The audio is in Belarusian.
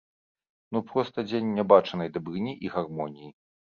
Ну проста дзень нябачанай дабрыні і гармоніі.